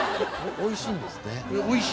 おいしいんです。